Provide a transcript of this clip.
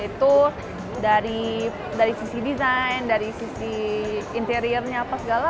itu dari sisi desain dari sisi interiornya apa segala